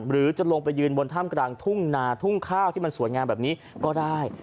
หรือจะลงไปยืนบนถ้ำกลางทุ่งนาทุ่งข้าวที่มันสวยงามแบบนี้ก็ได้